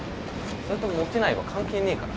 それとモテないは関係ねえから。